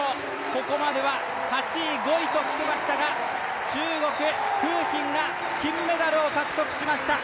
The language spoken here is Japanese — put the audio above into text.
ここまでは８位、５位ときていましたが中国・馮彬が金メダルを獲得しました！